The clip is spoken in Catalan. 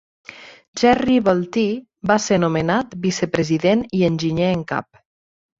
Jerry Vultee va ser nomenat vicepresident i enginyer en cap.